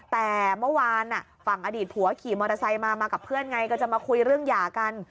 แต่เมื่อวานฝั่งอดีตผัวขี่มอเตอร์ไซค์มามากับเพื่อนไงก็จะมาคุยเรื่องหย่ากัน